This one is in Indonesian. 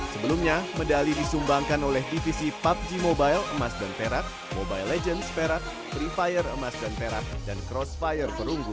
sebelumnya medali disumbangkan oleh divisi pubg mobile emas dan perak mobile legends perak free fire emas dan perak dan crossfire perunggu